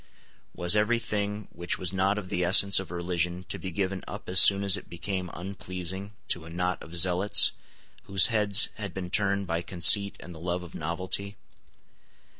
Was every thing which was not of the essence of religion to be given up as soon as it became unpleasing to a knot of zealots whose heads had been turned by conceit and the love of novelty?